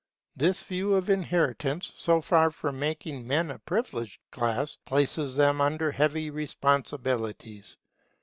This view of inheritance, so far from making men a privileged class, places them under heavy responsibilities.